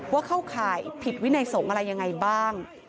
เข้าข่ายผิดวินัยสงฆ์อะไรยังไงบ้าง